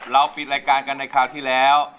ปิดรายการกันในคราวที่แล้ว